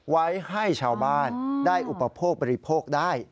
ไว้ให้ชาวบ้านได้อุปโภคบริโภคได้